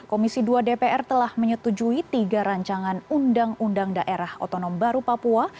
komisi dua dpr telah menyetujui tiga rancangan undang undang daerah otonom baru papua